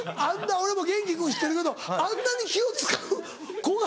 俺も元輝君知ってるけどあんなに気を使う子が。